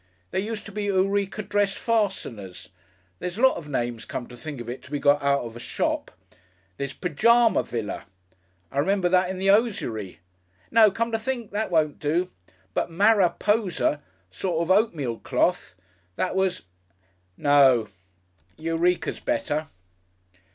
"There used to be Eureka Dress Fasteners. There's lots of names, come to think of it, to be got out of a shop. There's Pyjama Villa. I remember that in the hosiery. No, come to think, that wouldn't do. But Maraposa sort of oatmeal cloth, that was.... No! Eureka's better."